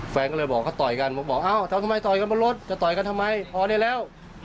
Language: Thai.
แฟนก็เลยบอกเค้าต่อยกันบอกบอกอ้าวเธอจะต่อยกันบ้านรถจะต่อยกันทำไมพอเดี๋ยวแล้ว